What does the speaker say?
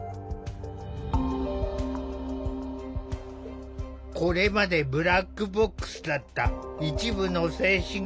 これまでブラックボックスだった一部の精神科病院の実態。